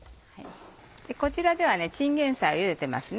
こちらではチンゲンサイをゆでてますね。